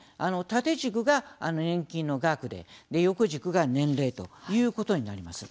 縦軸が年金の額で横軸が年齢ということになります。